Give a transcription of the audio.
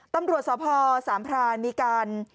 ตำรวจสพสามพรานมีการ